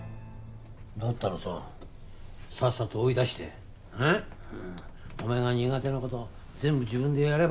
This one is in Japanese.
だったらささっさと追い出してお前が苦手な事全部自分でやれば？